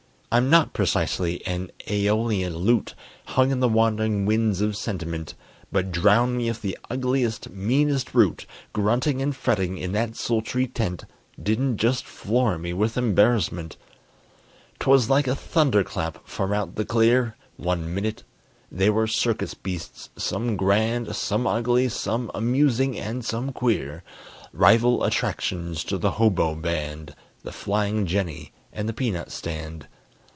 I'm not precisely an æolian lute Hung in the wandering winds of sentiment, But drown me if the ugliest, meanest brute Grunting and fretting in that sultry tent Didn't just floor me with embarrassment! 'Twas like a thunder clap from out the clear One minute they were circus beasts, some grand, Some ugly, some amusing, and some queer: Rival attractions to the hobo band, The flying jenny, and the peanut stand.